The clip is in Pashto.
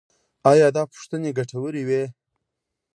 ایا دا پوښتنې ګټورې وې؟